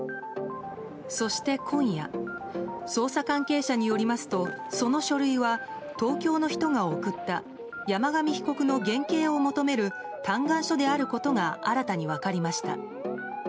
そして今夜捜査関係者によりますとその書類は、東京の人が送った山上被告の減刑を求める嘆願書であることが新たに分かりました。